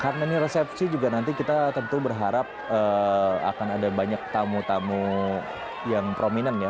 karena ini resepsi juga nanti kita tentu berharap akan ada banyak tamu tamu yang prominent ya